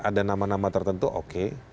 ada nama nama tertentu oke